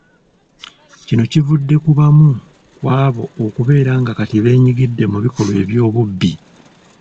Kino kivudde ku bamu ku abo okubeera nga kati beenyigidde mu bikolwa eby’obubbi.